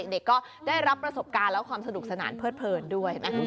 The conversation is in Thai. เด็กก็ได้รับประสบการณ์และความสนุกสนานเพิดเพลินด้วยนะครับ